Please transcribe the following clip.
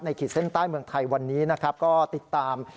ในขีดเซ็นต์ใต้เมืองไทยวันนี้ก็ติดตาม